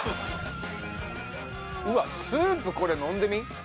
うわっスープこれ飲んでみ？